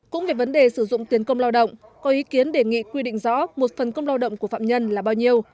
cũng về vấn đề sử dụng tiền công lao động có ý kiến đề nghị quy định rõ một phần công lao động của phạm nhân là bao nhiêu